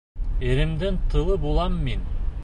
Иремдең тылы булам мин.